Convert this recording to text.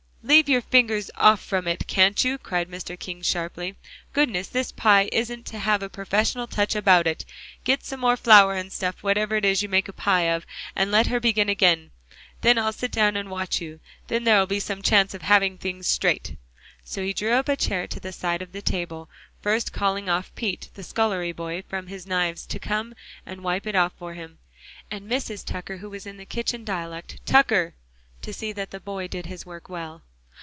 "Leave your fingers off from it, can't you?" cried Mr. King sharply. "Goodness! this pie isn't to have a professional touch about it. Get some more flour and stuff, whatever it is you make a pie of, and let her begin again. There, I'll sit down and watch you; then there'll be some chance of having things straight." So he drew up a chair to the side of the table, first calling off Pete, the scullery boy, from his knives to come and wipe it off for him, and Mrs. Tucker who was in kitchen dialect "Tucker," to see that the boy did his work well.